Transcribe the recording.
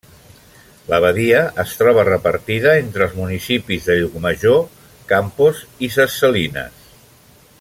La badia es troba repartida entre els municipis de Llucmajor, Campos i ses Salines.